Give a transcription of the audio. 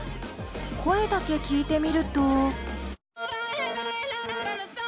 声だけ聴いてみると。